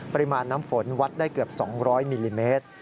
ปริมาณน้ำฝนวัดได้เกือบ๒๐๐มิลลิเมตร